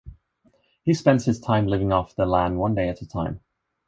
He spends his time living off the land one day at a time.